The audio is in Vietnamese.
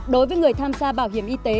đối với người tham gia bảo hiểm y tế